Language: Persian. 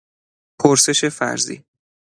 پرسش فرضی